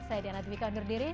saya diana dwi kondur diri